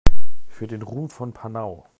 Für den Ruhm von Panau!